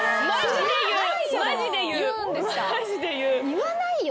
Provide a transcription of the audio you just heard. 言わないよ